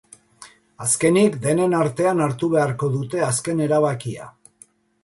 Azkenik, denen artean hartu beharko dute azken erabakia.